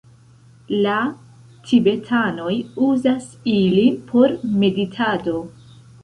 La tibetanoj uzas ilin por meditado.